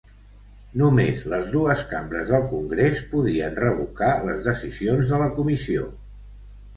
Només les dues cambres del Congrés podien revocar les decisions de la Comissió.